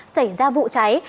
xảy ra vụ cháy